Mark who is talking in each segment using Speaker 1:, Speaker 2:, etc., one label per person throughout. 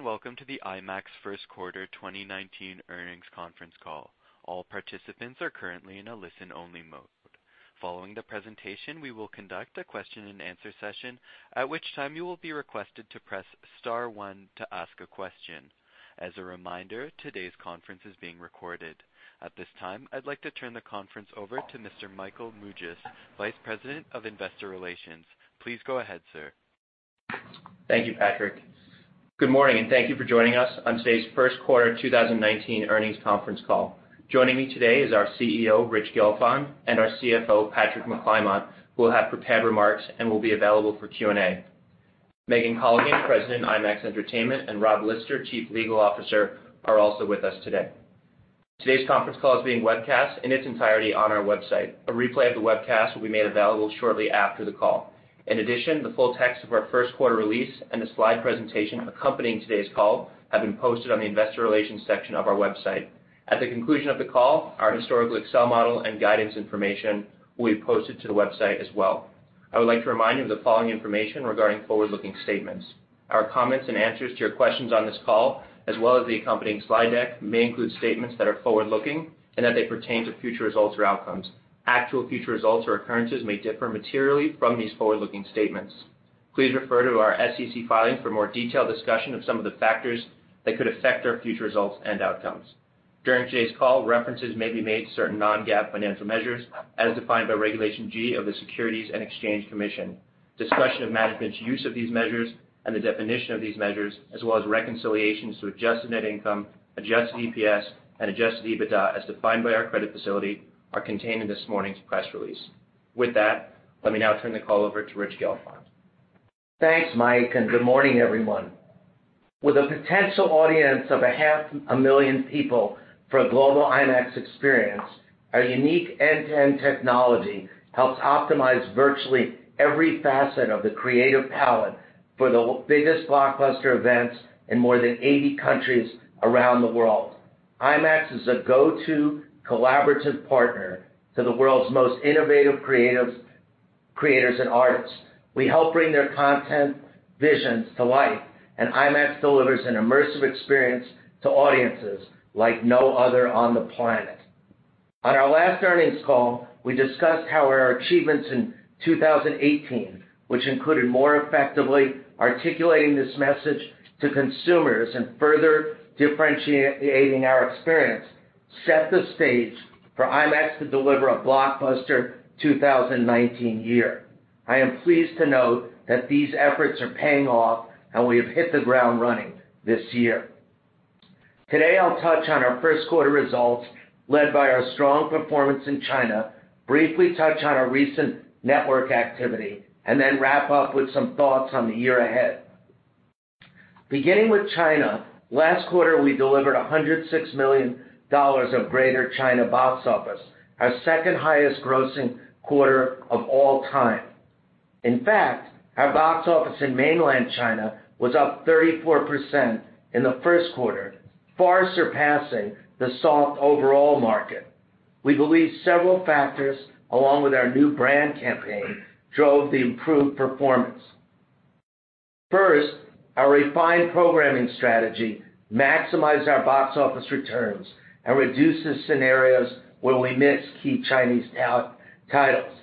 Speaker 1: Welcome to the IMAX First Quarter 2019 Earnings Conference Call. All participants are currently in a listen-only mode. Following the presentation, we will conduct a question-and-answer session, at which time you will be requested to press star one to ask a question. As a reminder, today's conference is being recorded. At this time, I'd like to turn the conference over to Mr. Michael Mougias, Vice President of Investor Relations. Please go ahead, sir.
Speaker 2: Thank you, Patrick. Good morning, and thank you for joining us on today's First Quarter 2019 Earnings Conference Call. Joining me today is our CEO, Rich Gelfond, and our CFO, Patrick McClymont, who will have prepared remarks and will be available for Q&A. Megan Colligan, President of IMAX Entertainment, and Rob Lister, Chief Legal Officer, are also with us today. Today's conference call is being webcast in its entirety on our website. A replay of the webcast will be made available shortly after the call. In addition, the full text of our first quarter release and the slide presentation accompanying today's call have been posted on the investor relations section of our website. At the conclusion of the call, our historical Excel model and guidance information will be posted to the website as well. I would like to remind you of the following information regarding forward-looking statements. Our comments and answers to your questions on this call, as well as the accompanying slide deck, may include statements that are forward-looking and that they pertain to future results or outcomes. Actual future results or occurrences may differ materially from these forward-looking statements. Please refer to our SEC filing for more detailed discussion of some of the factors that could affect our future results and outcomes. During today's call, references may be made to certain non-GAAP financial measures, as defined by Regulation G of the Securities and Exchange Commission. Discussion of management's use of these measures and the definition of these measures, as well as reconciliations to Adjusted Net Income, Adjusted EPS, and Adjusted EBITDA, as defined by our credit facility, are contained in this morning's press release. With that, let me now turn the call over to Rich Gelfond.
Speaker 3: Thanks, Mike, and good morning, everyone. With a potential audience of 500,000 people for a global IMAX experience, our unique end-to-end technology helps optimize virtually every facet of the creative palette for the biggest blockbuster events in more than 80 countries around the world. IMAX is a go-to collaborative partner to the world's most innovative creators and artists. We help bring their content visions to life, and IMAX delivers an immersive experience to audiences like no other on the planet. On our last earnings call, we discussed how our achievements in 2018, which included more effectively articulating this message to consumers and further differentiating our experience, set the stage for IMAX to deliver a blockbuster 2019 year. I am pleased to note that these efforts are paying off, and we have hit the ground running this year. Today, I'll touch on our first quarter results, led by our strong performance in China, briefly touch on our recent network activity, and then wrap up with some thoughts on the year ahead. Beginning with China, last quarter we delivered $106 million of Greater China box office, our second highest grossing quarter of all time. In fact, our box office in Mainland China was up 34% in the first quarter, far surpassing the soft overall market. We believe several factors, along with our new brand campaign, drove the improved performance. First, our refined programming strategy maximized our box office returns and reduces scenarios where we miss key Chinese titles.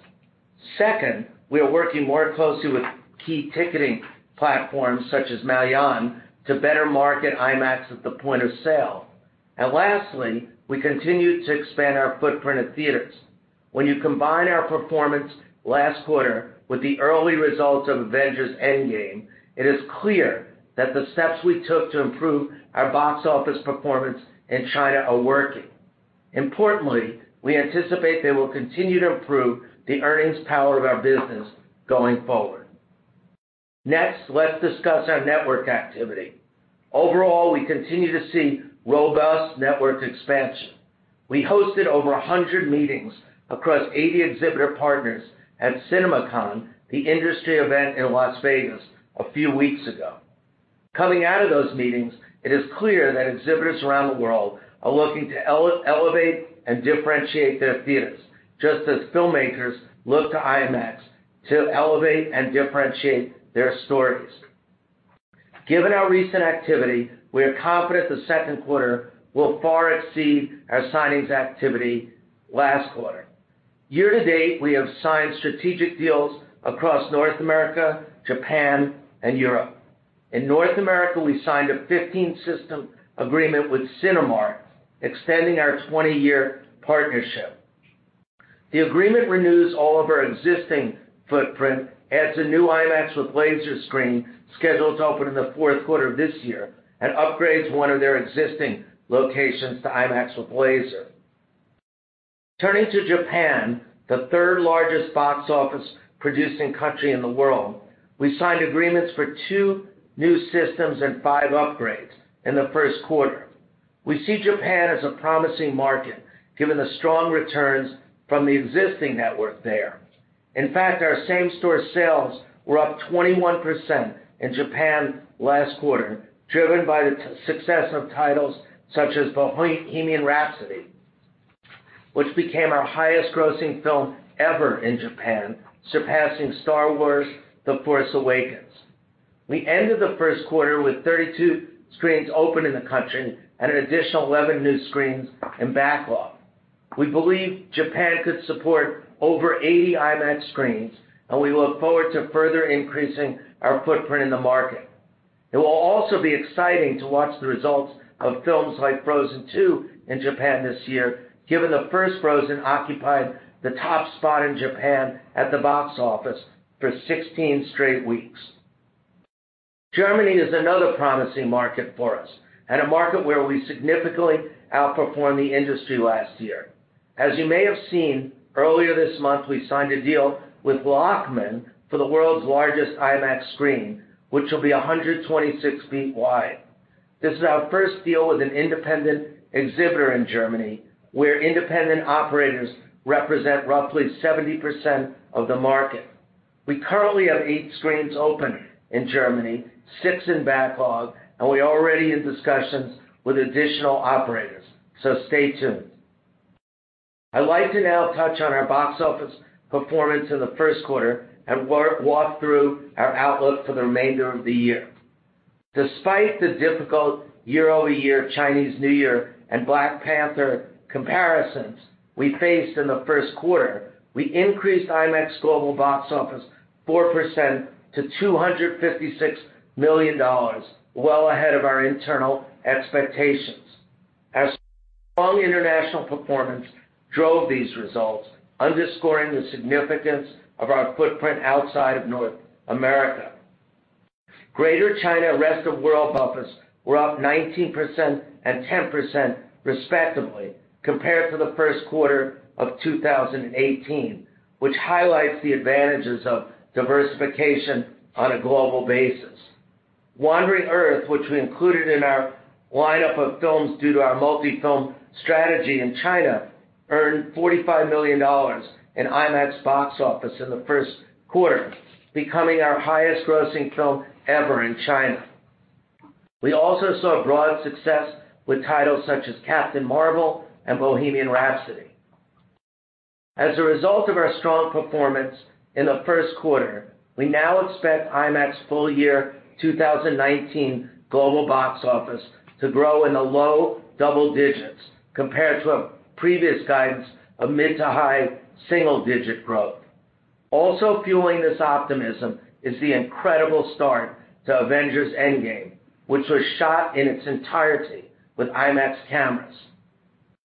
Speaker 3: Second, we are working more closely with key ticketing platforms such as Maoyan to better market IMAX at the point of sale. And lastly, we continue to expand our footprint at theaters. When you combine our performance last quarter with the early results of Avengers: Endgame, it is clear that the steps we took to improve our box office performance in China are working. Importantly, we anticipate they will continue to improve the earnings power of our business going forward. Next, let's discuss our network activity. Overall, we continue to see robust network expansion. We hosted over 100 meetings across 80 exhibitor partners at CinemaCon, the industry event in Las Vegas, a few weeks ago. Coming out of those meetings, it is clear that exhibitors around the world are looking to elevate and differentiate their theaters, just as filmmakers look to IMAX to elevate and differentiate their stories. Given our recent activity, we are confident the second quarter will far exceed our signings activity last quarter. Year to date, we have signed strategic deals across North America, Japan, and Europe. In North America, we signed a 15-system agreement with Cinemark, extending our 20-year partnership. The agreement renews all of our existing footprint, adds a new IMAX with Laser screen scheduled to open in the fourth quarter of this year, and upgrades one of their existing locations to IMAX with Laser. Turning to Japan, the third largest box office producing country in the world, we signed agreements for two new systems and five upgrades in the first quarter. We see Japan as a promising market, given the strong returns from the existing network there. In fact, our same-store sales were up 21% in Japan last quarter, driven by the success of titles such as Bohemian Rhapsody, which became our highest-grossing film ever in Japan, surpassing Star Wars: The Force Awakens. We ended the first quarter with 32 screens open in the country and an additional 11 new screens in backlog. We believe Japan could support over 80 IMAX screens, and we look forward to further increasing our footprint in the market. It will also be exciting to watch the results of films like Frozen 2 in Japan this year, given the first Frozen occupied the top spot in Japan at the box office for 16 straight weeks. Germany is another promising market for us, and a market where we significantly outperformed the industry last year. As you may have seen, earlier this month we signed a deal with Lochmann for the world's largest IMAX screen, which will be 126 ft wide. This is our first deal with an independent exhibitor in Germany, where independent operators represent roughly 70% of the market. We currently have eight screens open in Germany, six in backlog, and we are already in discussions with additional operators, so stay tuned. I'd like to now touch on our box office performance in the first quarter and walk through our outlook for the remainder of the year. Despite the difficult year-over-year Chinese New Year and Black Panther comparisons we faced in the first quarter, we increased IMAX's global box office 4% to $256 million, well ahead of our internal expectations. Our strong international performance drove these results, underscoring the significance of our footprint outside of North America. Greater China, Rest of World box office were up 19% and 10% respectively compared to the first quarter of 2018, which highlights the advantages of diversification on a global basis. The Wandering Earth, which we included in our lineup of films due to our multi-film strategy in China, earned $45 million in IMAX box office in the first quarter, becoming our highest-grossing film ever in China. We also saw broad success with titles such as Captain Marvel and Bohemian Rhapsody. As a result of our strong performance in the first quarter, we now expect IMAX's full-year 2019 global box office to grow in the low double-digits compared to our previous guidance of mid-to-high single-digit growth. Also fueling this optimism is the incredible start to Avengers: Endgame, which was shot in its entirety with IMAX cameras.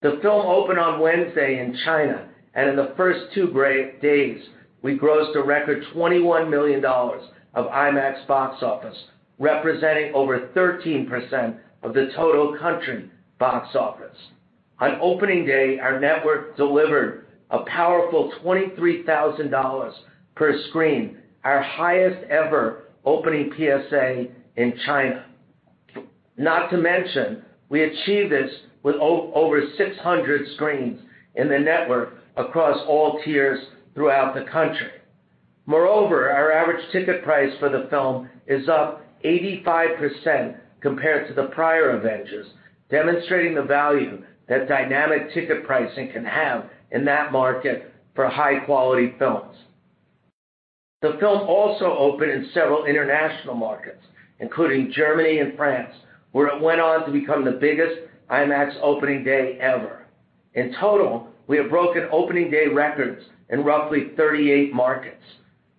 Speaker 3: The film opened on Wednesday in China, and in the first two days, we grossed a record $21 million of IMAX box office, representing over 13% of the total country box office. On opening day, our network delivered a powerful $23,000 per screen, our highest-ever opening PSA in China. Not to mention, we achieved this with over 600 screens in the network across all tiers throughout the country. Moreover, our average ticket price for the film is up 85% compared to the prior Avengers, demonstrating the value that dynamic ticket pricing can have in that market for high-quality films. The film also opened in several international markets, including Germany and France, where it went on to become the biggest IMAX opening day ever. In total, we have broken opening day records in roughly 38 markets.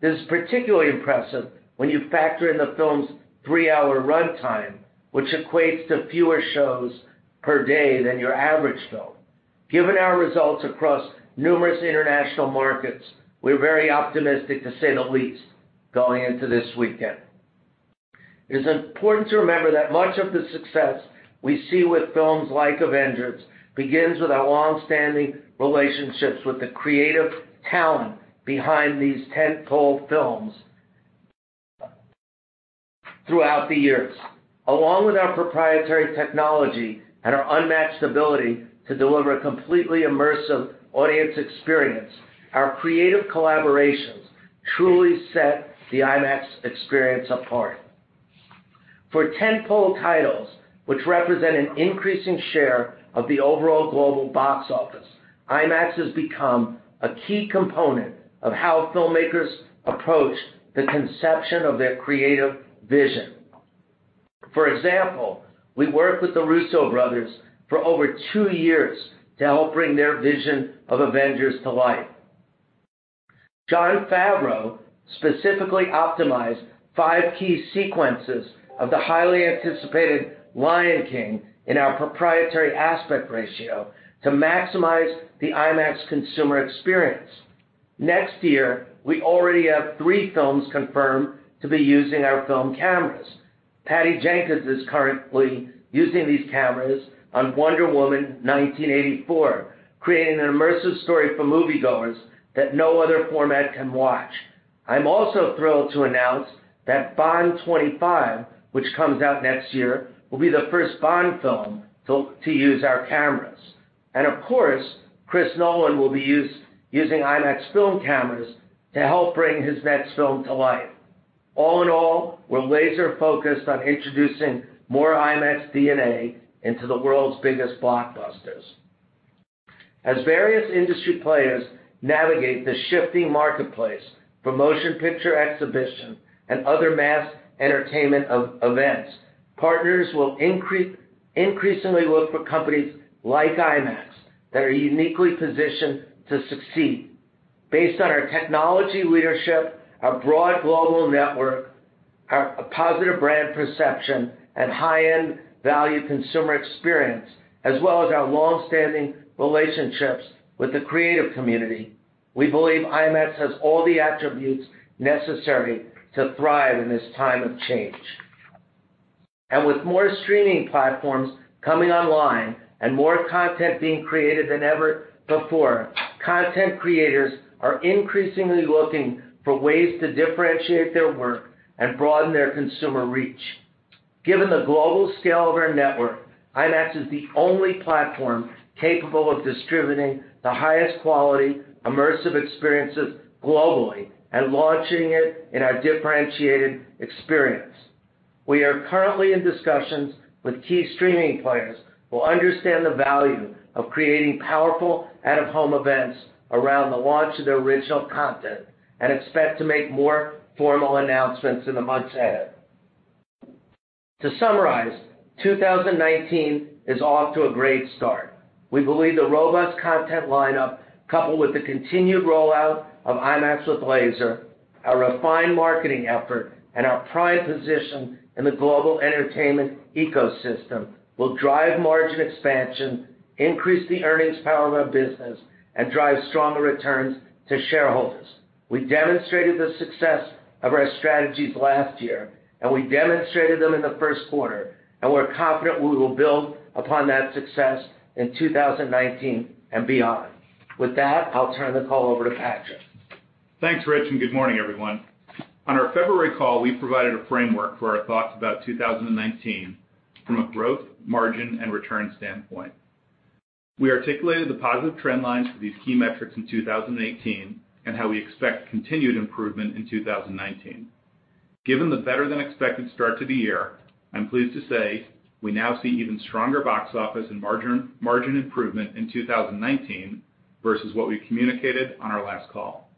Speaker 3: This is particularly impressive when you factor in the film's three-hour runtime, which equates to fewer shows per day than your average film. Given our results across numerous international markets, we are very optimistic to say the least going into this weekend. It is important to remember that much of the success we see with films like Avengers begins with our long-standing relationships with the creative talent behind these tentpole films throughout the years. Along with our proprietary technology and our unmatched ability to deliver a completely immersive audience experience, our creative collaborations truly set the IMAX experience apart. For tentpole titles, which represent an increasing share of the overall global box office, IMAX has become a key component of how filmmakers approach the conception of their creative vision. For example, we worked with the Russo Brothers for over two years to help bring their vision of Avengers to life. Jon Favreau specifically optimized five key sequences of the highly anticipated The Lion King in our proprietary aspect ratio to maximize the IMAX consumer experience. Next year, we already have three films confirmed to be using our film cameras. Patty Jenkins is currently using these cameras on Wonder Woman 1984, creating an immersive story for moviegoers that no other format can watch. I'm also thrilled to announce that Bond 25, which comes out next year, will be the first Bond film to use our cameras. And of course, Chris Nolan will be using IMAX film cameras to help bring his next film to life. All in all, we're laser-focused on introducing more IMAX DNA into the world's biggest blockbusters. As various industry players navigate the shifting marketplace for motion picture exhibitions and other mass entertainment events, partners will increasingly look for companies like IMAX that are uniquely positioned to succeed. Based on our technology leadership, our broad global network, our positive brand perception, and high-end value consumer experience, as well as our long-standing relationships with the creative community, we believe IMAX has all the attributes necessary to thrive in this time of change. With more streaming platforms coming online and more content being created than ever before, content creators are increasingly looking for ways to differentiate their work and broaden their consumer reach. Given the global scale of our network, IMAX is the only platform capable of distributing the highest quality immersive experiences globally and launching it in our differentiated experience. We are currently in discussions with key streaming players who understand the value of creating powerful out-of-home events around the launch of their original content and expect to make more formal announcements in the months ahead. To summarize, 2019 is off to a great start. We believe the robust content lineup, coupled with the continued rollout of IMAX with Laser, our refined marketing effort, and our prime position in the global entertainment ecosystem will drive margin expansion, increase the earnings power of our business, and drive stronger returns to shareholders. We demonstrated the success of our strategies last year, and we demonstrated them in the first quarter, and we're confident we will build upon that success in 2019 and beyond. With that, I'll turn the call over to Patrick.
Speaker 4: Thanks, Rich, and good morning, everyone. On our February call, we provided a framework for our thoughts about 2019 from a growth, margin, and return standpoint. We articulated the positive trend lines for these key metrics in 2018 and how we expect continued improvement in 2019. Given the better-than-expected start to the year, I'm pleased to say we now see even stronger box office and margin improvement in 2019 versus what we communicated on our last call.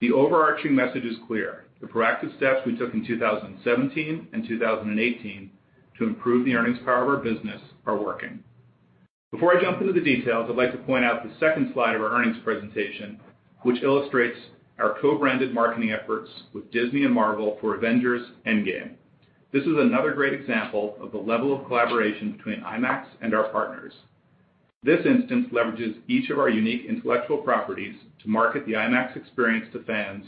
Speaker 4: The overarching message is clear, the proactive steps we took in 2017 and 2018 to improve the earnings power of our business are working. Before I jump into the details, I'd like to point out the second slide of our earnings presentation, which illustrates our co-branded marketing efforts with Disney and Marvel for Avengers: Endgame. This is another great example of the level of collaboration between IMAX and our partners. This instance leverages each of our unique intellectual properties to market the IMAX experience to fans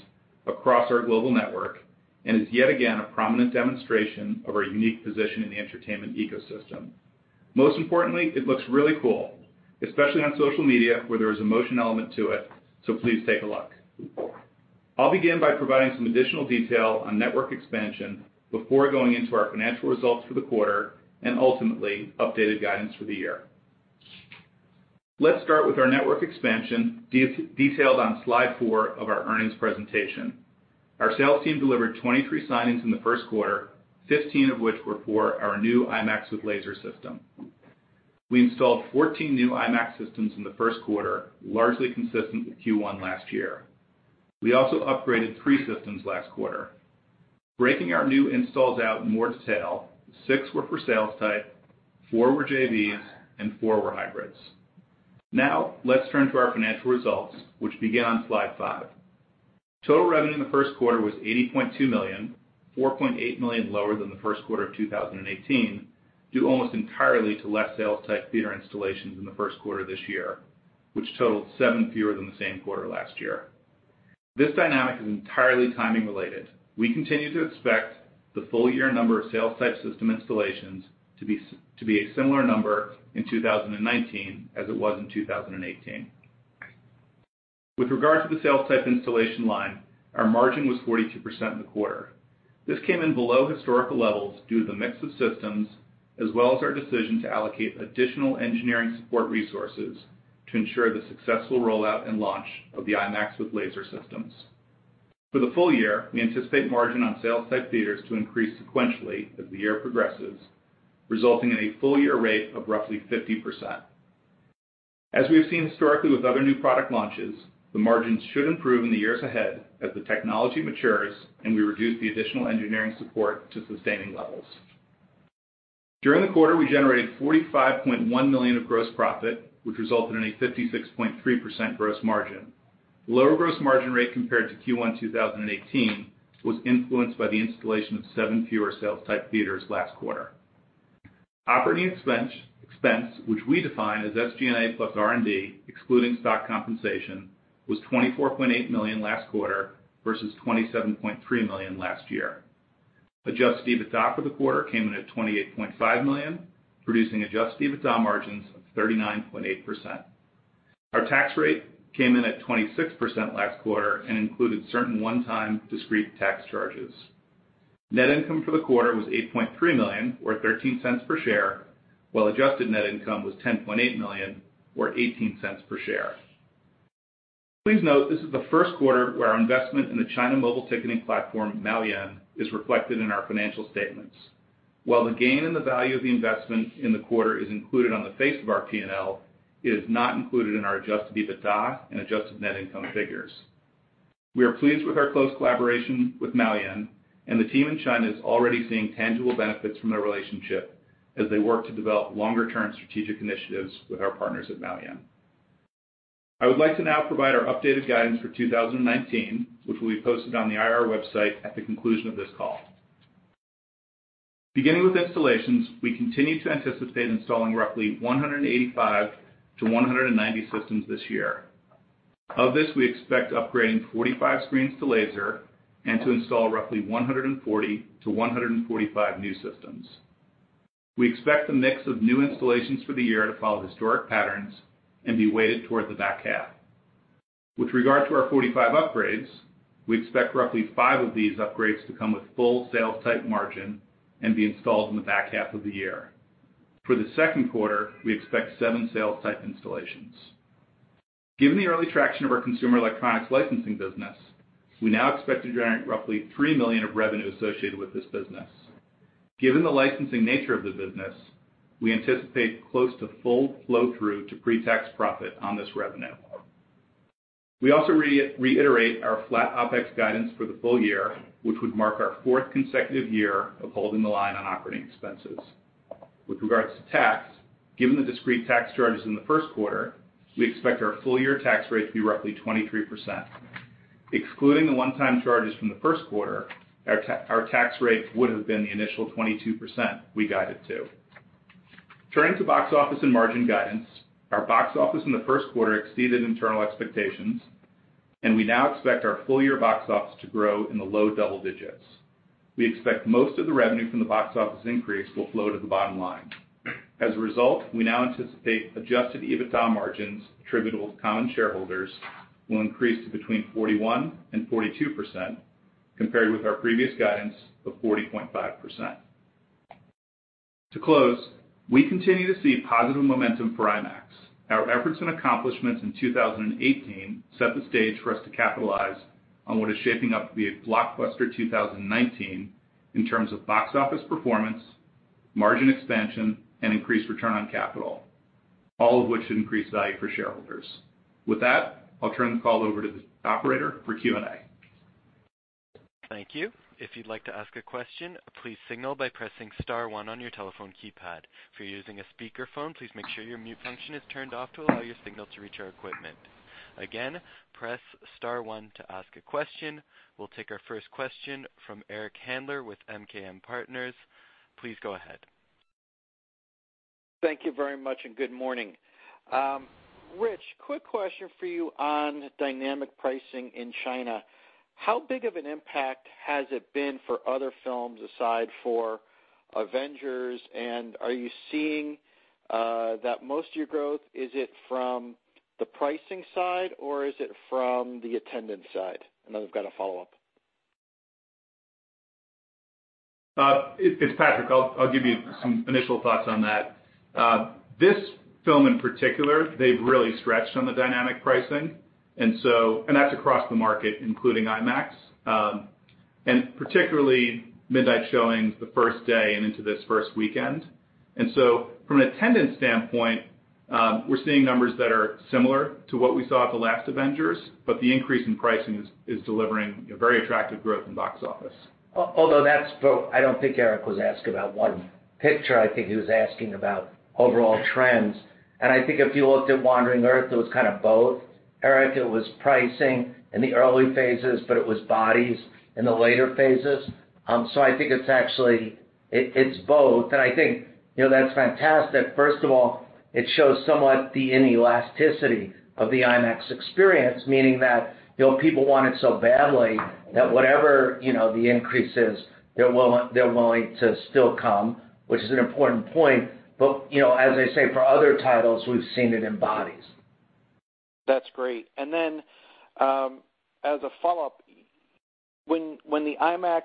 Speaker 4: across our global network and is yet again a prominent demonstration of our unique position in the entertainment ecosystem. Most importantly, it looks really cool, especially on social media where there is a motion element to it, so please take a look. I'll begin by providing some additional detail on network expansion before going into our financial results for the quarter and ultimately updated guidance for the year. Let's start with our network expansion detailed on slide four of our earnings presentation. Our sales team delivered 23 signings in the first quarter, 15 of which were for our new IMAX with Laser system. We installed 14 new IMAX systems in the first quarter, largely consistent with Q1 last year. We also upgraded three systems last quarter. Breaking our new installs out in more detail, six were for sales-type, four were JVs, and four were hybrids. Now, let's turn to our financial results, which begin on slide five. Total revenue in the first quarter was $80.2 million, $4.8 million lower than the first quarter of 2018, due almost entirely to less sales-type theater installations in the first quarter this year, which totaled seven fewer than the same quarter last year. This dynamic is entirely timing-related. We continue to expect the full-year number of sales-type system installations to be a similar number in 2019 as it was in 2018. With regard to the sales-type installation line, our margin was 42% in the quarter. This came in below historical levels due to the mix of systems, as well as our decision to allocate additional engineering support resources to ensure the successful rollout and launch of the IMAX with Laser systems. For the full year, we anticipate margin on sales-type theaters to increase sequentially as the year progresses, resulting in a full-year rate of roughly 50%. As we have seen historically with other new product launches, the margins should improve in the years ahead as the technology matures and we reduce the additional engineering support to sustaining levels. During the quarter, we generated $45.1 million of gross profit, which resulted in a 56.3% gross margin. Lower gross margin rate compared to Q1 2018 was influenced by the installation of seven fewer sales-type theaters last quarter. Operating expense, which we define as SG&A plus R&D excluding stock compensation, was $24.8 million last quarter versus $27.3 million last year. Adjusted EBITDA for the quarter came in at $28.5 million, producing Adjusted EBITDA margins of 39.8%. Our tax rate came in at 26% last quarter and included certain one-time discrete tax charges. Net income for the quarter was $8.3 million, or $0.13 per share, while Adjusted Net Income was $10.8 million, or $0.18 per share. Please note this is the first quarter where our investment in the China mobile ticketing platform, Maoyan, is reflected in our financial statements. While the gain in the value of the investment in the quarter is included on the face of our P&L, it is not included in our Adjusted EBITDA and Adjusted Net Income figures. We are pleased with our close collaboration with Maoyan, and the team in China is already seeing tangible benefits from their relationship as they work to develop longer-term strategic initiatives with our partners at Maoyan. I would like to now provide our updated guidance for 2019, which will be posted on the IR website at the conclusion of this call. Beginning with installations, we continue to anticipate installing roughly 185-190 systems this year. Of this, we expect upgrading 45 screens to laser and to install roughly 140-145 new systems. We expect the mix of new installations for the year to follow historic patterns and be weighted toward the back half. With regard to our 45 upgrades, we expect roughly five of these upgrades to come with full sales-type margin and be installed in the back half of the year. For the second quarter, we expect seven sales-type installations. Given the early traction of our consumer electronics licensing business, we now expect to generate roughly $3 million of revenue associated with this business. Given the licensing nature of the business, we anticipate close to full flow-through to pre-tax profit on this revenue. We also reiterate our flat OpEx guidance for the full year, which would mark our fourth consecutive year of holding the line on operating expenses. With regards to tax, given the discrete tax charges in the first quarter, we expect our full-year tax rate to be roughly 23%. Excluding the one-time charges from the first quarter, our tax rate would have been the initial 22% we guided to. Turning to box office and margin guidance, our box office in the first quarter exceeded internal expectations, and we now expect our full-year box office to grow in the low double-digits. We expect most of the revenue from the box office increase will flow to the bottom line. As a result, we now anticipate Adjusted EBITDA margins attributable to common shareholders will increase to between 41% and 42% compared with our previous guidance of 40.5%. To close, we continue to see positive momentum for IMAX. Our efforts and accomplishments in 2018 set the stage for us to capitalize on what is shaping up to be a blockbuster 2019 in terms of box office performance, margin expansion, and increased return on capital, all of which should increase value for shareholders. With that, I'll turn the call over to the operator for Q&A.
Speaker 1: Thank you. If you'd like to ask a question, please signal by pressing star one on your telephone keypad. If you're using a speakerphone, please make sure your mute function is turned off to allow your signal to reach our equipment. Again, press star one to ask a question. We'll take our first question from Eric Handler with MKM Partners. Please go ahead.
Speaker 5: Thank you very much and good morning. Rich, quick question for you on dynamic pricing in China. How big of an impact has it been for other films aside from Avengers? And are you seeing that most of your growth, is it from the pricing side or is it from the attendance side? And then I've got a follow-up.
Speaker 4: It's Patrick. I'll give you some initial thoughts on that. This film in particular, they've really stretched on the dynamic pricing, and that's across the market, including IMAX, and particularly midnight showings the first day and into this first weekend. From an attendance standpoint, we're seeing numbers that are similar to what we saw at the last Avengers, but the increase in pricing is delivering very attractive growth in box office.
Speaker 3: Although that's both, I don't think Eric was asking about one picture. I think he was asking about overall trends. If you looked at Wandering Earth, it was kind of both. Eric, it was pricing in the early phases, but it was bodies in the later phases. It's actually it's both. That's fantastic. First of all, it shows somewhat the inelasticity of the IMAX experience, meaning that people want it so badly that whatever the increase is, they're willing to still come, which is an important point. But as I say, for other titles, we've seen it in bodies.
Speaker 5: That's great. And then as a follow-up, when the IMAX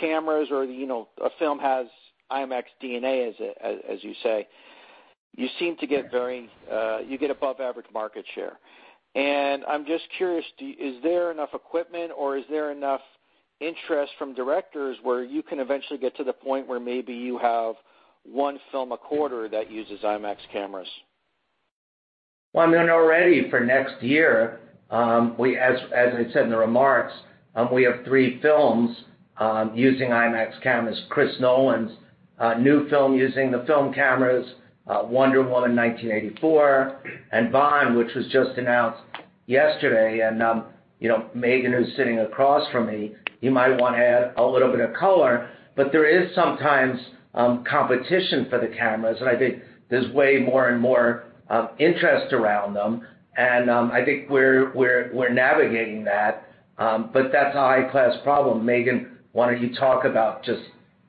Speaker 5: cameras or a film has IMAX DNA, as you say, you seem to get above-average market share. And I'm just curious, is there enough equipment or is there enough interest from directors where you can eventually get to the point where maybe you have one film a quarter that uses IMAX cameras?
Speaker 3: Well, I mean, already for next year, as I said in the remarks, we have three films using IMAX cameras. Chris Nolan's new film using the film cameras, Wonder Woman 1984, and Bond, which was just announced yesterday. And Megan, who's sitting across from me, you might want to add a little bit of color. But there is sometimes competition for the cameras, and I think there's way more and more interest around them. And I think we're navigating that, but that's a high-class problem. Megan, why don't you talk about just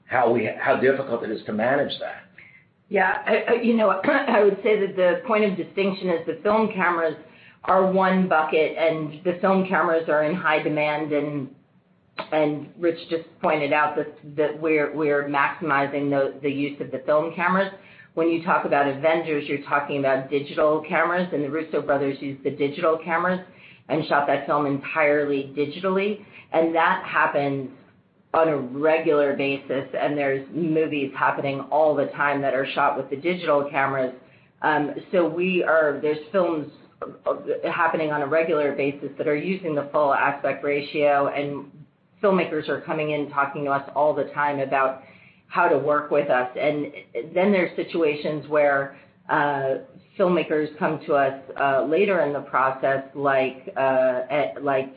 Speaker 3: how difficult it is to manage that?
Speaker 6: Yeah. I would say that the point of distinction is the film cameras are one bucket, and the film cameras are in high demand. And Rich just pointed out that we're maximizing the use of the film cameras. When you talk about Avengers, you're talking about digital cameras, and the Russo Brothers use the digital cameras and shot that film entirely digitally. And that happens on a regular basis, and there's movies happening all the time that are shot with the digital cameras. So there's films happening on a regular basis that are using the full aspect ratio, and filmmakers are coming in talking to us all the time about how to work with us. And then there's situations where filmmakers come to us later in the process, like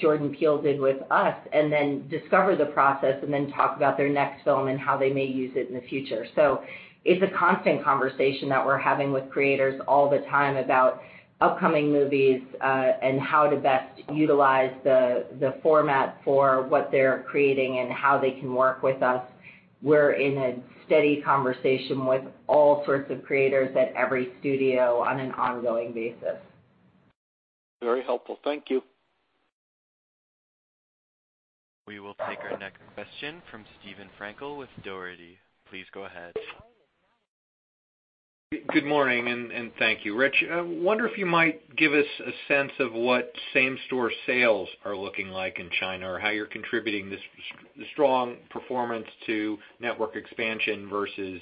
Speaker 6: Jordan Peele did with us, and then discover the process and then talk about their next film and how they may use it in the future. So it's a constant conversation that we're having with creators all the time about upcoming movies and how to best utilize the format for what they're creating and how they can work with us. We're in a steady conversation with all sorts of creators at every studio on an ongoing basis.
Speaker 5: Very helpful. Thank you.
Speaker 1: We will take our next question from Steven Frankel with Dougherty. Please go ahead.
Speaker 7: Good morning, and thank you. Rich, I wonder if you might give us a sense of what same-store sales are looking like in China or how you're attributing this strong performance to network expansion versus,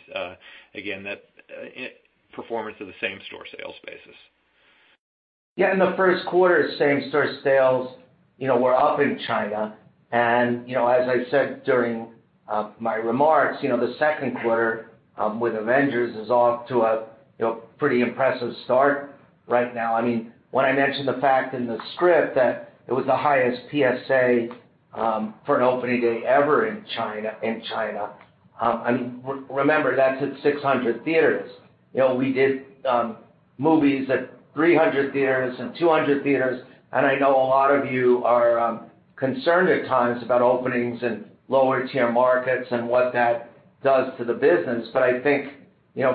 Speaker 7: again, that performance of the same-store sales basis.
Speaker 3: Yeah. In the first quarter, same-store sales were up in China. And as I said during my remarks, the second quarter with Avengers is off to a pretty impressive start right now. I mean, when I mentioned the fact in the script that it was the highest PSA for an opening day ever in China, I mean, remember, that's at 600 theaters. We did movies at 300 theaters and 200 theaters. And I know a lot of you are concerned at times about openings in lower-tier markets and what that does to the business. But I think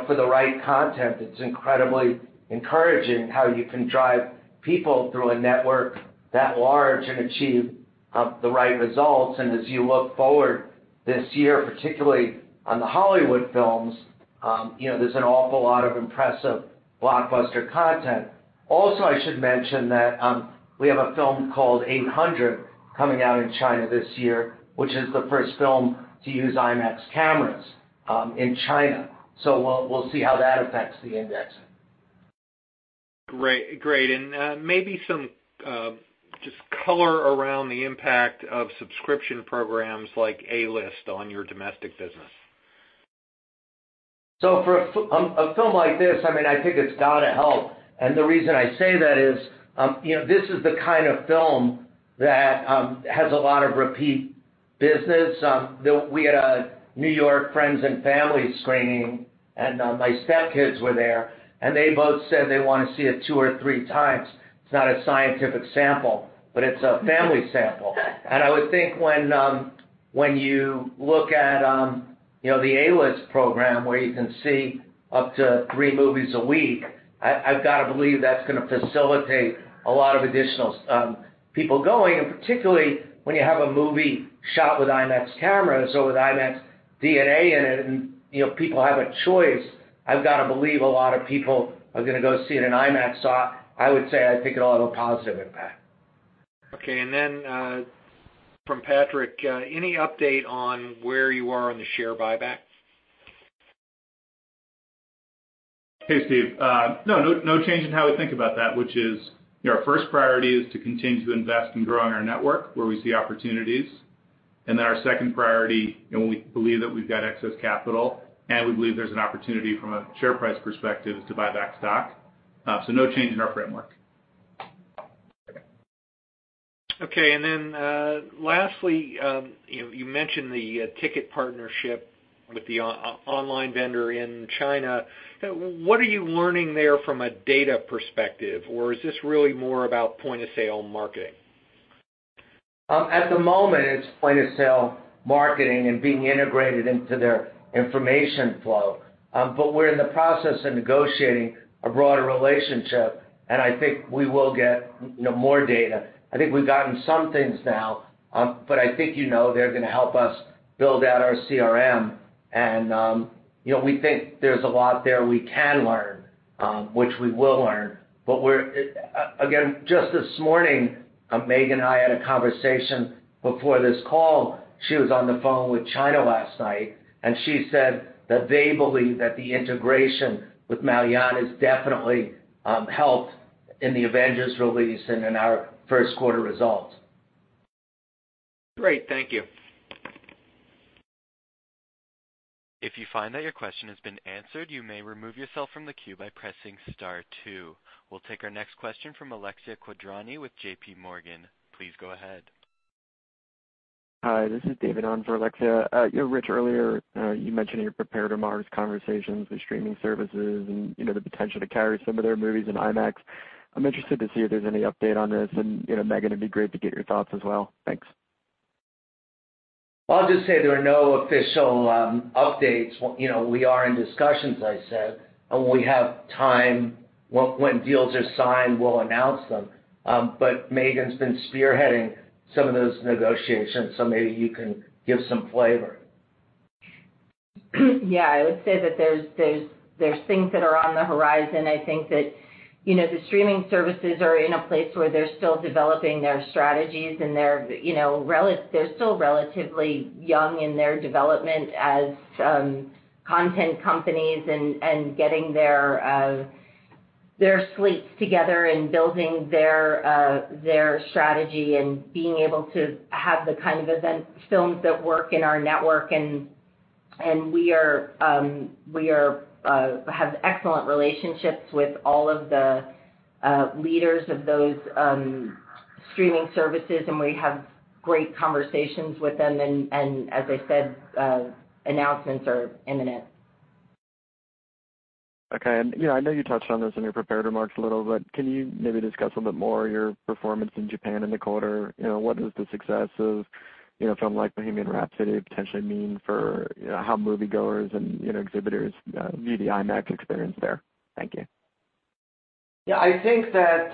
Speaker 3: for the right content, it's incredibly encouraging how you can drive people through a network that large and achieve the right results. And as you look forward this year, particularly on the Hollywood films, there's an awful lot of impressive blockbuster content. Also, I should mention that we have a film called The Eight Hundred coming out in China this year, which is the first film to use IMAX cameras in China. So we'll see how that affects the index.
Speaker 7: Great. And maybe some just color around the impact of subscription programs like A-List on your domestic business.
Speaker 3: So for a film like this, I mean, I think it's got to help. And the reason I say that is this is the kind of film that has a lot of repeat business. We had a New York Friends & Family screening, and my step kids were there, and they both said they want to see it two or three times. It's not a scientific sample, but it's a family sample. And I would think when you look at the A-List program where you can see up to three movies a week, I've got to believe that's going to facilitate a lot of additional people going. And particularly when you have a movie shot with IMAX cameras or with IMAX DNA in it and people have a choice, I've got to believe a lot of people are going to go see it in IMAX. So I would say I think it'll have a positive impact.
Speaker 7: Okay. And then from Patrick, any update on where you are on the share buyback?
Speaker 4: Hey, Steve. No, no change in how we think about that, which is our first priority is to continue to invest and grow on our network where we see opportunities. And then our second priority, we believe that we've got excess capital, and we believe there's an opportunity from a share price perspective to buy back stock. So no change in our framework.
Speaker 7: Okay. And then lastly, you mentioned the ticket partnership with the online vendor in China. What are you learning there from a data perspective, or is this really more about point-of-sale marketing?
Speaker 3: At the moment, it's point-of-sale marketing and being integrated into their information flow. But we're in the process of negotiating a broader relationship, and I think we will get more data. I think we've gotten some things now, but I think they're going to help us build out our CRM. And we think there's a lot there we can learn, which we will learn. But again, just this morning, Megan and I had a conversation before this call. She was on the phone with China last night, and she said that they believe that the integration with Maoyan has definitely helped in the Avengers release and in our first-quarter results.
Speaker 7: Great. Thank you.
Speaker 1: If you find that your question has been answered, you may remove yourself from the queue by pressing star two. We'll take our next question from Alexia Quadrani with JPMorgan. Please go ahead.
Speaker 8: Hi. This is David on for Alexia. Rich, earlier you mentioned in your prepared remarks, conversations with streaming services and the potential to carry some of their movies in IMAX. I'm interested to see if there's any update on this. And Megan, it'd be great to get your thoughts as well. Thanks.
Speaker 3: I'll just say there are no official updates. We are in discussions, I said, and we have time when deals are signed, we'll announce them. But Megan's been spearheading some of those negotiations, so maybe you can give some flavor.
Speaker 6: Yeah. I would say that there's things that are on the horizon. I think that the streaming services are in a place where they're still developing their strategies, and they're still relatively young in their development as content companies and getting their sweets together and building their strategy and being able to have the kind of event films that work in our network. And we have excellent relationships with all of the leaders of those streaming services, and we have great conversations with them. And as I said, announcements are imminent.
Speaker 8: Okay. And I know you touched on this in your prepared remarks a little, but can you maybe discuss a little bit more your performance in Japan in the quarter? What does the success of a film like Bohemian Rhapsody potentially mean for how moviegoers and exhibitors view the IMAX experience there? Thank you.
Speaker 3: Yeah. I think that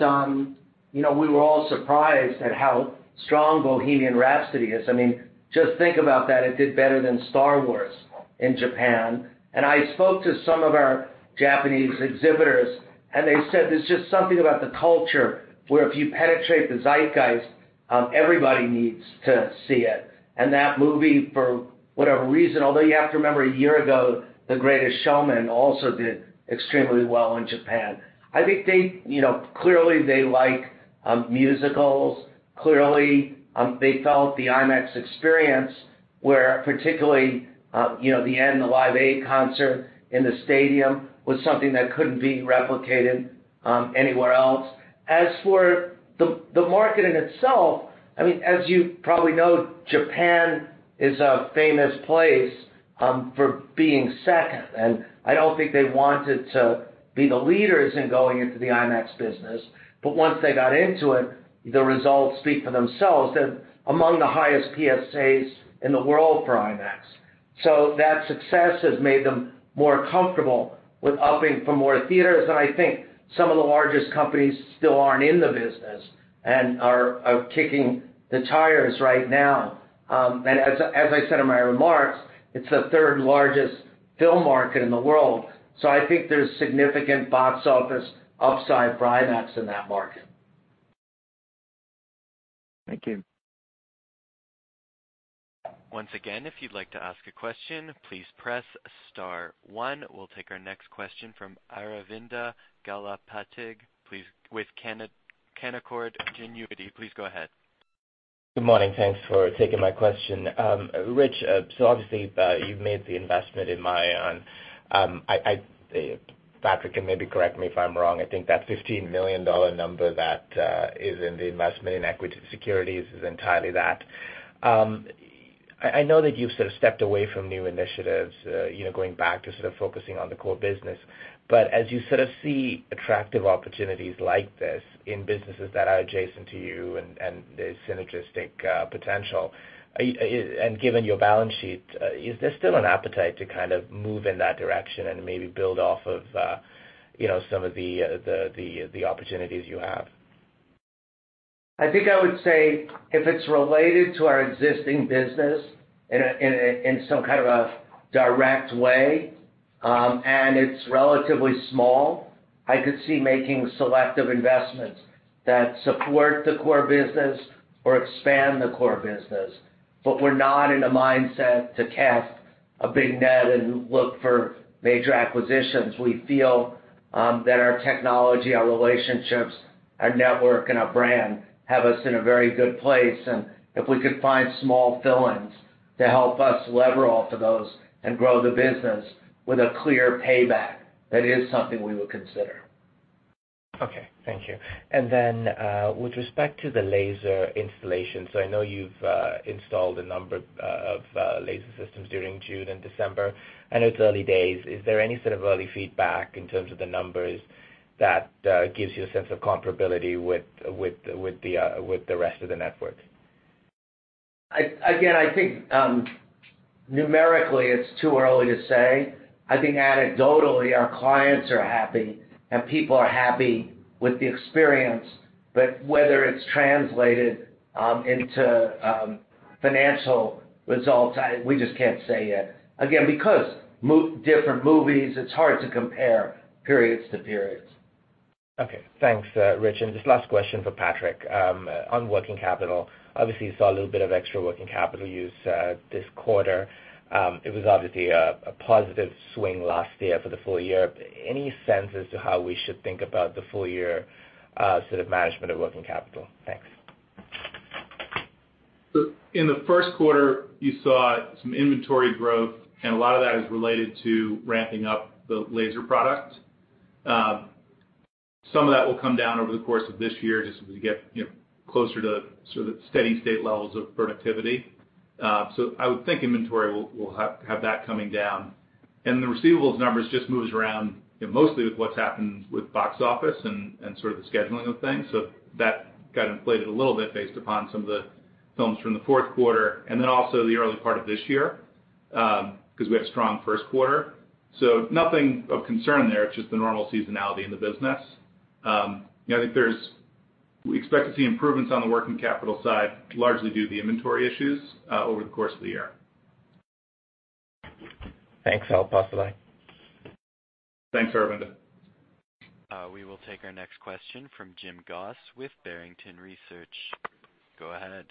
Speaker 3: we were all surprised at how strong Bohemian Rhapsody is. I mean, just think about that. It did better than Star Wars in Japan. And I spoke to some of our Japanese exhibitors, and they said there's just something about the culture where if you penetrate the zeitgeist, everybody needs to see it. And that movie, for whatever reason, although you have to remember a year ago, The Greatest Showman also did extremely well in Japan. I think clearly they like musicals. Clearly, they felt the IMAX experience, where particularly the end, the live concert in the stadium was something that couldn't be replicated anywhere else. As for the market in itself, I mean, as you probably know, Japan is a famous place for being second, and I don't think they wanted to be the leaders in going into the IMAX business, but once they got into it, the results speak for themselves. They're among the highest PSAs in the world for IMAX. So that success has made them more comfortable with opening more theaters, and I think some of the largest companies still aren't in the business and are kicking the tires right now, and as I said in my remarks, it's the third largest film market in the world, so I think there's significant box office upside for IMAX in that market.
Speaker 8: Thank you.
Speaker 1: Once again, if you'd like to ask a question, please press star one. We'll take our next question from Aravinda Galappatthige, please, with Canaccord Genuity. Please go ahead.
Speaker 9: Good morning. Thanks for taking my question. Rich, so obviously you've made the investment in Maoyan. I mean, Patrick, and maybe correct me if I'm wrong, I think that $15 million number that is in the investment in equity securities is entirely that. I know that you've sort of stepped away from new initiatives going back to sort of focusing on the core business. But as you sort of see attractive opportunities like this in businesses that are adjacent to you and there's synergistic potential, and given your balance sheet, is there still an appetite to kind of move in that direction and maybe build off of some of the opportunities you have?
Speaker 3: I think I would say if it's related to our existing business in some kind of a direct way and it's relatively small, I could see making selective investments that support the core business or expand the core business. But we're not in a mindset to cast a big net and look for major acquisitions. We feel that our technology, our relationships, our network, and our brand have us in a very good place. And if we could find small fill-ins to help us lever off of those and grow the business with a clear payback, that is something we would consider.
Speaker 9: Okay. Thank you. And then with respect to the laser installation, so I know you've installed a number of laser systems during June and December. I know it's early days. Is there any sort of early feedback in terms of the numbers that gives you a sense of comparability with the rest of the network?
Speaker 3: Again, I think numerically it's too early to say. I think anecdotally our clients are happy and people are happy with the experience. But whether it's translated into financial results, we just can't say yet. Again, because different movies, it's hard to compare periods to periods.
Speaker 9: Okay. Thanks, Rich. And just last question for Patrick on working capital. Obviously, you saw a little bit of extra working capital use this quarter. It was obviously a positive swing last year for the full year. Any sense as to how we should think about the full year sort of management of working capital? Thanks.
Speaker 4: In the first quarter, you saw some inventory growth, and a lot of that is related to ramping up the laser product. Some of that will come down over the course of this year just as we get closer to sort of steady-state levels of productivity. So I would think inventory will have that coming down. And the receivables numbers just moves around mostly with what's happened with box office and sort of the scheduling of things. So that got inflated a little bit based upon some of the films from the fourth quarter and then also the early part of this year because we had a strong first quarter. So nothing of concern there. It's just the normal seasonality in the business. I think we expect to see improvements on the working capital side largely due to the inventory issues over the course of the year.
Speaker 9: Thanks. I'll pass the mic.
Speaker 4: Thanks, Aravinda.
Speaker 1: We will take our next question from Jim Goss with Barrington Research. Go ahead.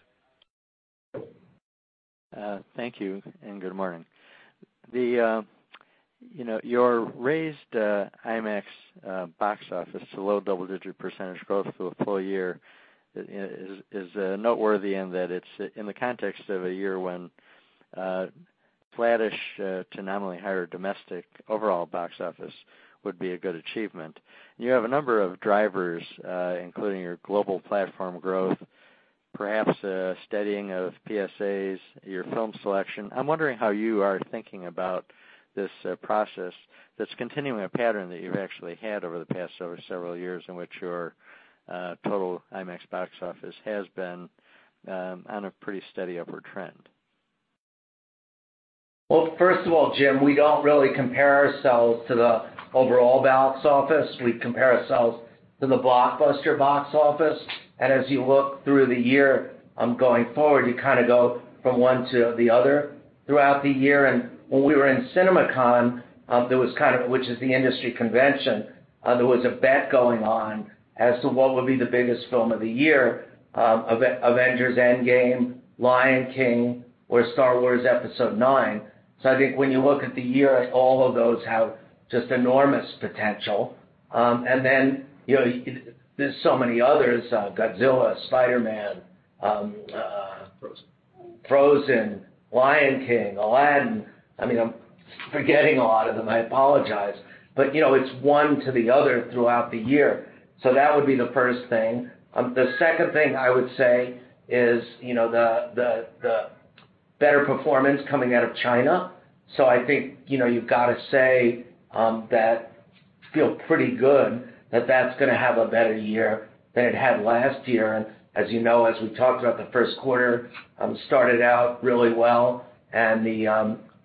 Speaker 10: Thank you and good morning. You've raised IMAX box office to low double-digit percentage growth for the full year is noteworthy in that it's in the context of a year when flattish to nominally higher domestic overall box office would be a good achievement. You have a number of drivers, including your global platform growth, perhaps steadying of PSAs, your film selection. I'm wondering how you are thinking about this process that's continuing a pattern that you've actually had over the past several years in which your total IMAX box office has been on a pretty steady upward trend.
Speaker 3: First of all, Jim, we don't really compare ourselves to the overall box office. We compare ourselves to the blockbuster box office. And as you look through the year going forward, you kind of go from one to the other throughout the year. And when we were in CinemaCon, which is the industry convention, there was a bet going on as to what would be the biggest film of the year, Avengers: Endgame, Lion King, or Star Wars: Episode IX. So I think when you look at the year, all of those have just enormous potential. And then there's so many others, Godzilla, Spider-Man, Frozen, Lion King, Aladdin. I mean, I'm forgetting a lot of them. I apologize. But it's one to the other throughout the year. So that would be the first thing. The second thing I would say is the better performance coming out of China. So I think you've got to say that I feel pretty good that that's going to have a better year than it had last year. And as you know, as we talked about, the first quarter started out really well.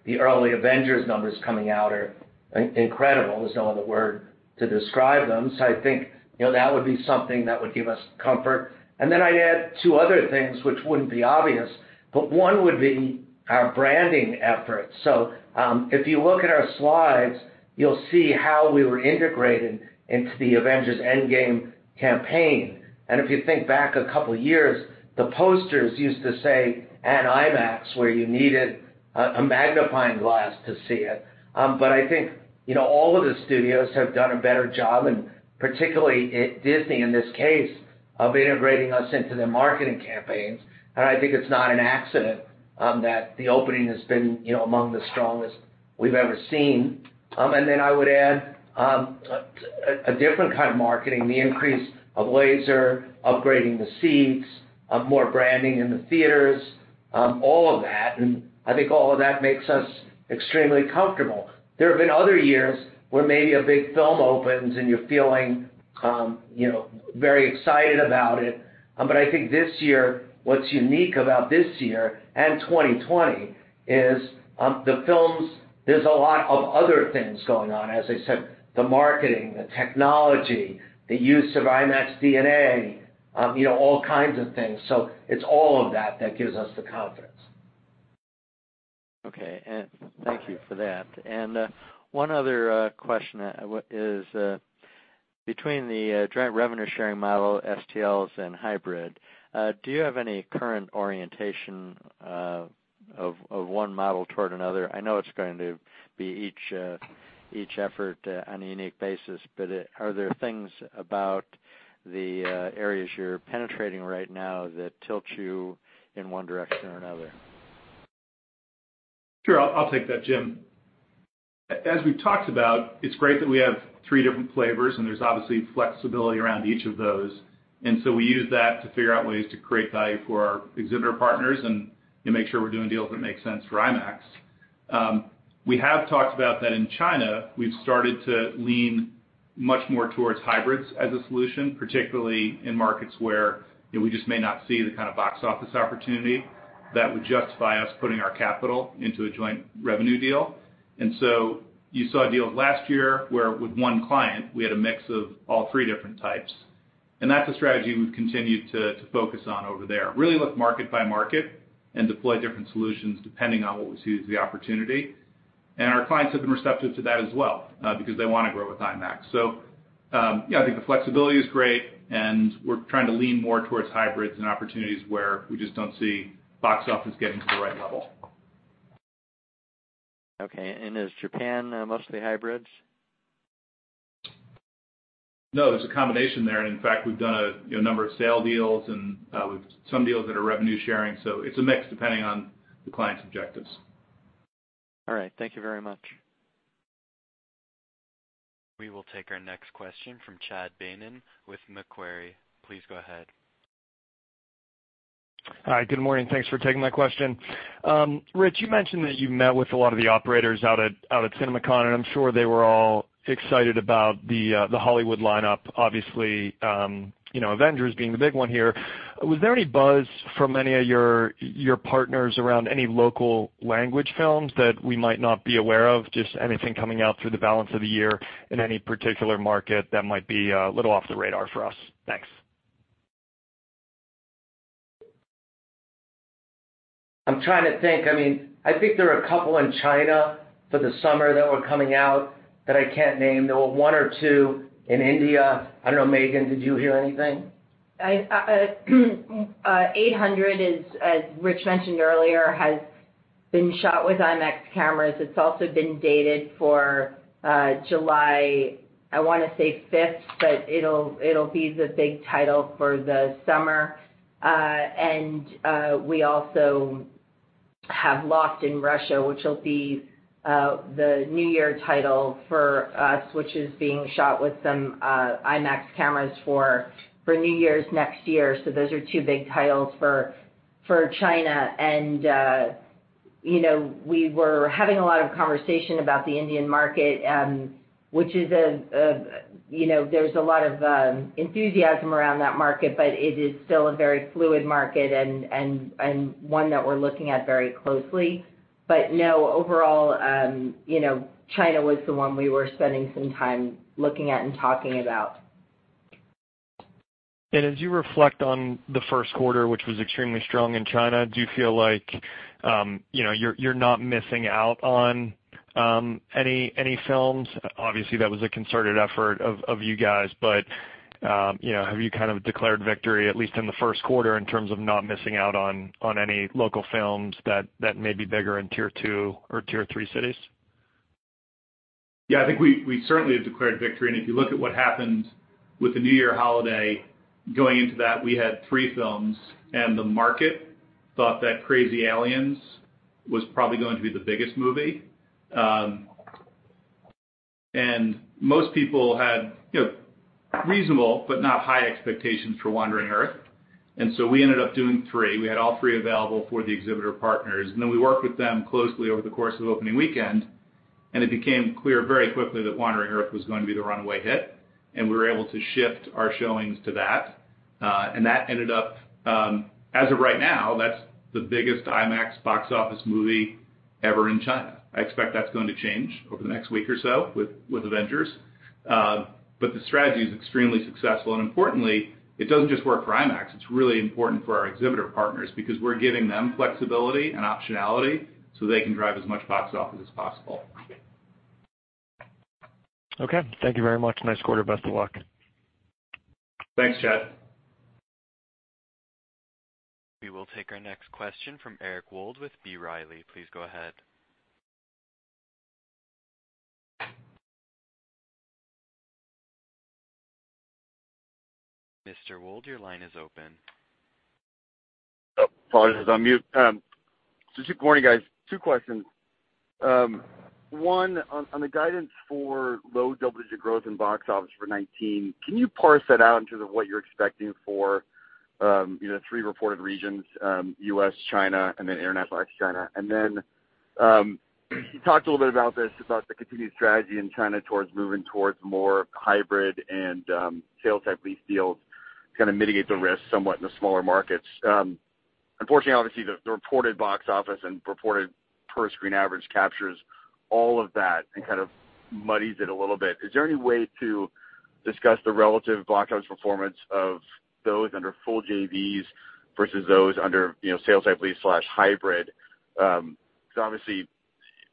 Speaker 3: The early Avengers numbers coming out are incredible. There's no other word to describe them. So I think that would be something that would give us comfort. And then I'd add two other things, which wouldn't be obvious. But one would be our branding efforts. So if you look at our slides, you'll see how we were integrated into the Avengers: Endgame campaign. And if you think back a couple of years, the posters used to say, "An IMAX," where you needed a magnifying glass to see it. But I think all of the studios have done a better job, and particularly Disney, in this case, of integrating us into their marketing campaigns. And I think it's not an accident that the opening has been among the strongest we've ever seen. And then I would add a different kind of marketing. The increase of laser, upgrading the seats, more branding in the theaters, all of that. And I think all of that makes us extremely comfortable. There have been other years where maybe a big film opens and you're feeling very excited about it. But I think this year, what's unique about this year and 2020 is the films. There's a lot of other things going on, as I said, the marketing, the technology, the use of IMAX DNA, all kinds of things. So it's all of that that gives us the confidence.
Speaker 10: Okay. And thank you for that. And one other question is between the joint revenue sharing model, STLs, and hybrid, do you have any current orientation of one model toward another? I know it's going to be each effort on a unique basis, but are there things about the areas you're penetrating right now that tilt you in one direction or another?
Speaker 4: Sure. I'll take that, Jim. As we've talked about, it's great that we have three different flavors, and there's obviously flexibility around each of those. And so we use that to figure out ways to create value for our exhibitor partners and make sure we're doing deals that make sense for IMAX. We have talked about that in China. We've started to lean much more towards hybrids as a solution, particularly in markets where we just may not see the kind of box office opportunity that would justify us putting our capital into a joint revenue deal. And so you saw deals last year where with one client, we had a mix of all three different types. And that's a strategy we've continued to focus on over there. Really look market by market and deploy different solutions depending on what we see as the opportunity. And our clients have been receptive to that as well because they want to grow with IMAX. So I think the flexibility is great, and we're trying to lean more towards hybrids and opportunities where we just don't see box office getting to the right level.
Speaker 10: Okay. And is Japan mostly hybrids?
Speaker 4: No, there's a combination there. And in fact, we've done a number of sale deals, and we've done some deals that are revenue sharing. So it's a mix depending on the client's objectives.
Speaker 10: All right. Thank you very much.
Speaker 1: We will take our next question from Chad Beynon with Macquarie. Please go ahead.
Speaker 11: Hi. Good morning. Thanks for taking my question. Rich, you mentioned that you met with a lot of the operators out at CinemaCon, and I'm sure they were all excited about the Hollywood lineup. Obviously, Avengers being the big one here. Was there any buzz from any of your partners around any local language films that we might not be aware of? Just anything coming out through the balance of the year in any particular market that might be a little off the radar for us? Thanks.
Speaker 3: I'm trying to think. I mean, I think there are a couple in China for the summer that were coming out that I can't name. There were one or two in India. I don't know, Megan, did you hear anything?
Speaker 6: The Eight Hundred, as Rich mentioned earlier, has been shot with IMAX cameras. It's also been dated for July, I want to say 5th, but it'll be the big title for the summer. We also have Loft in Russia, which will be the New Year title for us, which is being shot with some IMAX cameras for New Year's next year. Those are two big titles for China. We were having a lot of conversation about the Indian market, which there's a lot of enthusiasm around that market, but it is still a very fluid market and one that we're looking at very closely. No, overall, China was the one we were spending some time looking at and talking about.
Speaker 11: As you reflect on the first quarter, which was extremely strong in China, do you feel like you're not missing out on any films? Obviously, that was a concerted effort of you guys. But have you kind of declared victory, at least in the first quarter, in terms of not missing out on any local films that may be bigger in Tier 2 or Tier 3 cities?
Speaker 4: Yeah. I think we certainly have declared victory. And if you look at what happened with the New Year holiday, going into that, we had three films, and the market thought that Crazy Alien was probably going to be the biggest movie. And most people had reasonable but not high expectations for Wandering Earth. And so we ended up doing three. We had all three available for the exhibitor partners. And then we worked with them closely over the course of opening weekend, and it became clear very quickly that Wandering Earth was going to be the runaway hit. And we were able to shift our showings to that. And that ended up as of right now, that's the biggest IMAX box office movie ever in China. I expect that's going to change over the next week or so with Avengers. But the strategy is extremely successful. And importantly, it doesn't just work for IMAX. It's really important for our exhibitor partners because we're giving them flexibility and optionality so they can drive as much box office as possible.
Speaker 11: Okay. Thank you very much. Nice quarter. Best of luck.
Speaker 4: Thanks, Chad.
Speaker 1: We will take our next question from Eric Wold with B. Riley. Please go ahead. Mr. Wold, your line is open.
Speaker 12: Apologies. On mute. Good morning, guys. Two questions. One, on the guidance for low double-digit growth in box office for 2019, can you parse that out into what you're expecting for the three reported regions, U.S., China, and then international ex-China? Then you talked a little bit about this about the continued strategy in China toward moving toward more hybrid and sales-type lease deals to kind of mitigate the risk somewhat in the smaller markets. Unfortunately, obviously, the reported box office and reported per-screen average captures all of that and kind of muddies it a little bit. Is there any way to discuss the relative box office performance of those under full JVs versus those under sales-type lease/hybrid? Because obviously,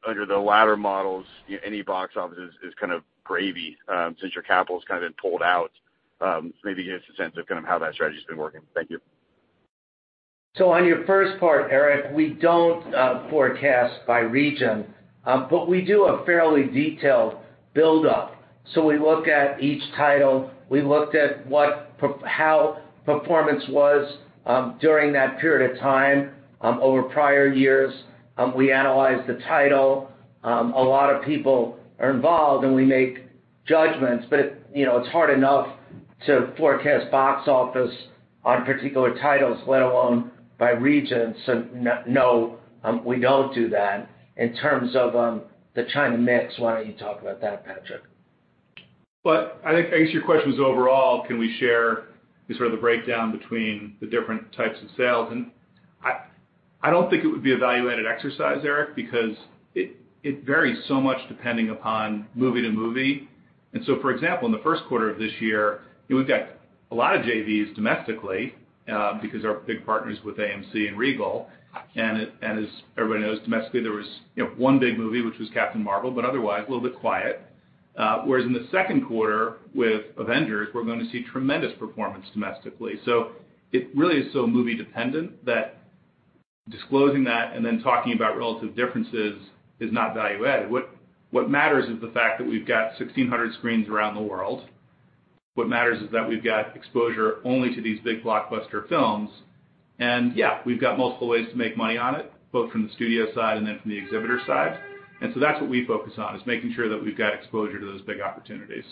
Speaker 12: under the latter models, any box office is kind of gravy since your capital's kind of been pulled out. Maybe give us a sense of kind of how that strategy has been working. Thank you.
Speaker 3: On your first part, Eric, we don't forecast by region, but we do a fairly detailed build-up. We look at each title. We looked at how performance was during that period of time over prior years. We analyze the title. A lot of people are involved, and we make judgments. But it's hard enough to forecast box office on particular titles, let alone by region. So no, we don't do that. In terms of the China mix, why don't you talk about that, Patrick?
Speaker 4: Well, I guess your question was overall, can we share sort of the breakdown between the different types of sales? And I don't think it would be a value-added exercise, Eric, because it varies so much depending upon movie to movie. And so, for example, in the first quarter of this year, we've got a lot of JVs domestically because our big partners with AMC and Regal. And as everybody knows, domestically, there was one big movie, which was Captain Marvel, but otherwise a little bit quiet. Whereas in the second quarter with Avengers, we're going to see tremendous performance domestically. So it really is so movie-dependent that disclosing that and then talking about relative differences is not value-added. What matters is the fact that we've got 1,600 screens around the world. What matters is that we've got exposure only to these big blockbuster films. And yeah, we've got multiple ways to make money on it, both from the studio side and then from the exhibitor side. And so that's what we focus on, is making sure that we've got exposure to those big opportunities.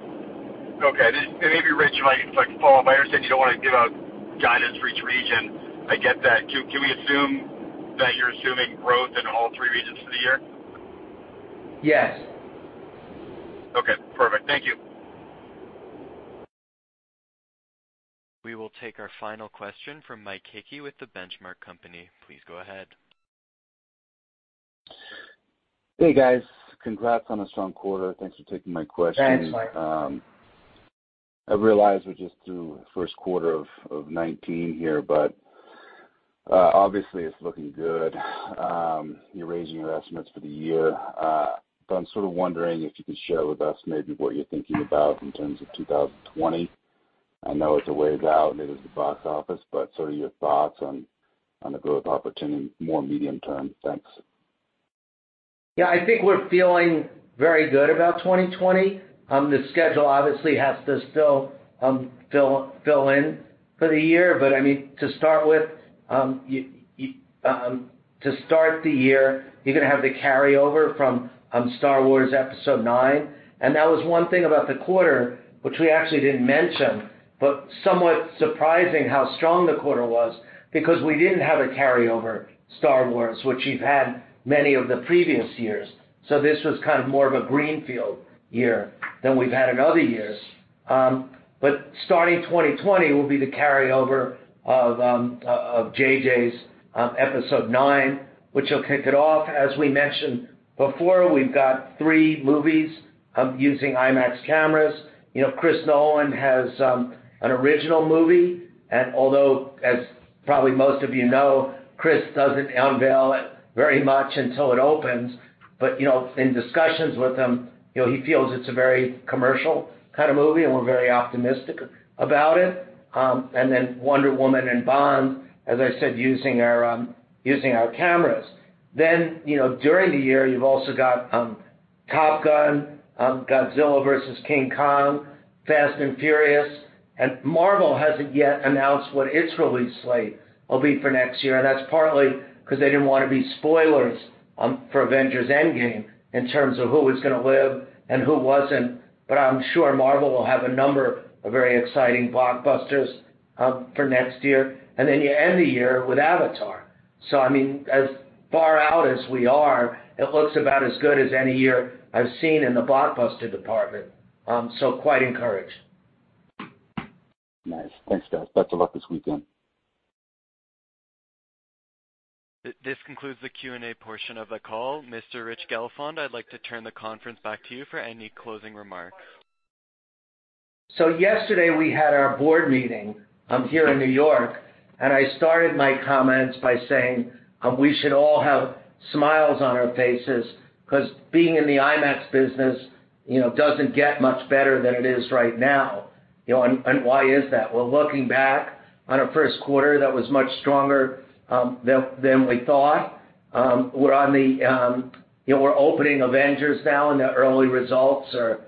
Speaker 12: Okay. And maybe, Rich, if I follow up, I understand you don't want to give out guidance for each region. I get that. Can we assume that you're assuming growth in all three regions for the year?
Speaker 3: Yes.
Speaker 12: Okay. Perfect. Thank you.
Speaker 1: We will take our final question from Mike Hickey with The Benchmark Company. Please go ahead.
Speaker 13: Hey, guys. Congrats on a strong quarter. Thanks for taking my question.
Speaker 3: Thanks, Mike.
Speaker 13: I realize we're just through the first quarter of 2019 here, but obviously, it's looking good. You're raising your estimates for the year. But I'm sort of wondering if you can share with us maybe what you're thinking about in terms of 2020. I know it's a ways out, and it is the box office, but sort of your thoughts on the growth opportunity more medium term. Thanks.
Speaker 3: Yeah. I think we're feeling very good about 2020. The schedule obviously has to still fill in for the year. But I mean, to start with, to start the year, you're going to have the carryover from Star Wars: Episode IX. That was one thing about the quarter, which we actually didn't mention, but somewhat surprising how strong the quarter was because we didn't have a carryover, Star Wars, which you've had many of the previous years. This was kind of more of a greenfield year than we've had in other years. Starting 2020 will be the carryover of J.J.'s Episode IX, which will kick it off. As we mentioned before, we've got three movies using IMAX cameras. Chris Nolan has an original movie. Although, as probably most of you know, Chris doesn't unveil it very much until it opens, but in discussions with him, he feels it's a very commercial kind of movie, and we're very optimistic about it. Then Wonder Woman and Bond, as I said, using our cameras. During the year, you've also got Top Gun, Godzilla vs. King Kong, Fast and Furious. And Marvel hasn't yet announced what its release slate will be for next year. And that's partly because they didn't want to be spoilers for Avengers: Endgame in terms of who was going to live and who wasn't. But I'm sure Marvel will have a number of very exciting blockbusters for next year. And then you end the year with Avatar. So I mean, as far out as we are, it looks about as good as any year I've seen in the blockbuster department. So quite encouraged.
Speaker 13: Nice. Thanks, guys. Best of luck this weekend.
Speaker 1: This concludes the Q&A portion of the call. Mr. Rich Gelfond, I'd like to turn the conference back to you for any closing remarks.
Speaker 3: Yesterday, we had our board meeting here in New York, and I started my comments by saying we should all have smiles on our faces because being in the IMAX business doesn't get much better than it is right now. Why is that? Well, looking back on our first quarter, that was much stronger than we thought. We're opening Avengers now, and the early results are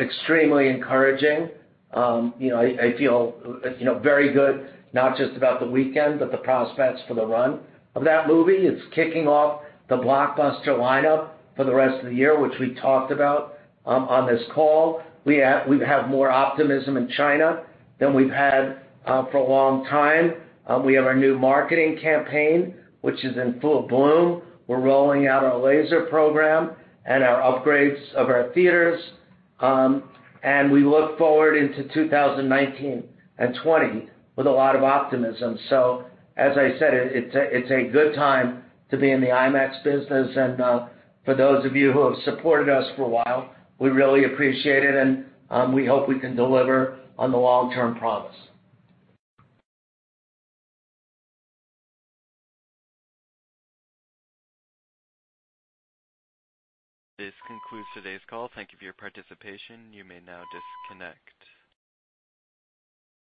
Speaker 3: extremely encouraging. I feel very good not just about the weekend, but the prospects for the run of that movie. It's kicking off the blockbuster lineup for the rest of the year, which we talked about on this call. We have more optimism in China than we've had for a long time. We have our new marketing campaign, which is in full bloom. We're rolling out our laser program and our upgrades of our theaters. And we look forward into 2019 and 2020 with a lot of optimism. So as I said, it's a good time to be in the IMAX business. And for those of you who have supported us for a while, we really appreciate it, and we hope we can deliver on the long-term promise.
Speaker 1: This concludes today's call. Thank you for your participation. You may now disconnect.